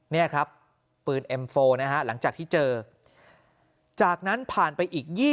นี่ครับปืนเอ็มโฟนะฮะหลังจากที่เจอจากนั้นผ่านไปอีก๒๐